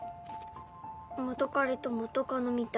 元カレと元カノみたい。